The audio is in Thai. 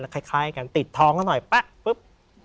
แล้วคล้ายกันติดทองเข้าหน่อยปะปุ๊บ